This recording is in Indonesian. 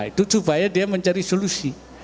itu supaya dia mencari solusi